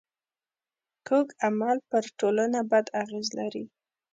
کوږ عمل پر ټولنه بد اغېز لري